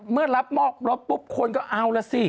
เมื่อรับมอบรถคนก็เอาแล้วสิ